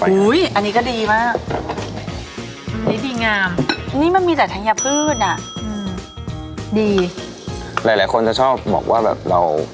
อย่าพืชอ่ะอืมดีหลายหลายคนจะชอบบอกว่าแบบเรา